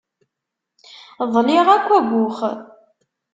Ḍliɣ akk abux.